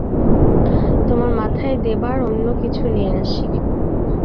তোমার মাথায় দেবার জন্য কিছু নিয়ে আসি।